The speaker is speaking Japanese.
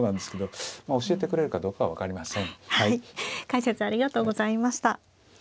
解説ありがとうございました。